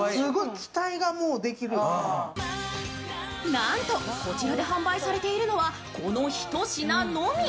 なんとこちらで販売されているのはこの一品のみ。